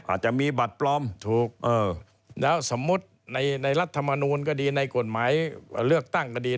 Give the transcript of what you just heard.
แล้วสมมุติในรัฐธรรมนูญก็ดีในกฎหมายเลือกตั้งก็ดี